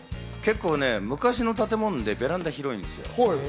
昔の建物でベランダが広いんですよ。